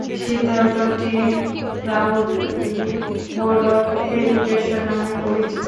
সিদ্ধান্তটি Brown v Board of Education নামে পরিচিত।